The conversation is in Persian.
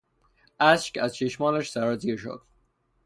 اشک از چشمانش سرازیر شد.